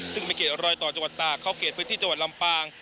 ซึ่งเป็นเขตรอยต่อจังหวัดตากเข้าเขตพื้นที่จังหวัดลำปาง